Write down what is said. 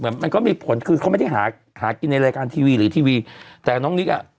มันก็มีผลคือเขาไม่ได้หาหากินในรายการทีวีหรือทีวีแต่น้องนิกอ่ะ